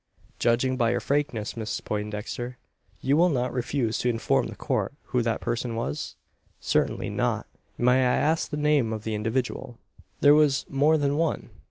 "Judging by your frankness, Miss Poindexter, you will not refuse to inform the Court who that person was?" "Certainly not." "May I ask the name of the individual?" "There was more than one.